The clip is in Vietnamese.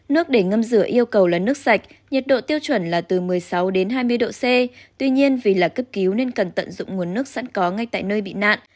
nước để ngâm rửa yêu cầu là nước sạch nhiệt độ tiêu chuẩn là từ một mươi sáu đến hai mươi độ c tuy nhiên vì là cấp cứu nên cần tận dụng nguồn nước sẵn có ngay tại nơi bị nạn